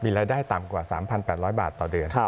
รายได้ต่ำกว่า๓๘๐๐บาทต่อเดือน